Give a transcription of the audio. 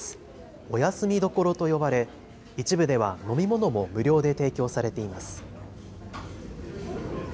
お休み処と呼ばれ一部では飲み物も無料で提供されています。